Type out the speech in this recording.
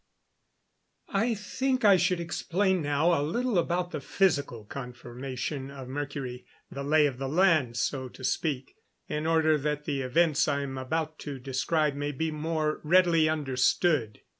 I think I should explain now a little about the physical conformation of Mercury the "lay of the land," so to speak in order that the events I am about to describe may be more readily understood.